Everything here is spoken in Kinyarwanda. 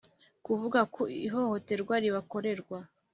kuvuga ku ihohoterwa ribakorerwa